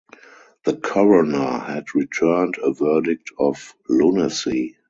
The coroner had returned a verdict of lunacy.